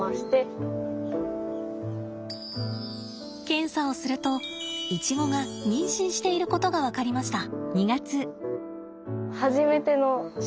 検査をするとイチゴが妊娠していることが分かりました。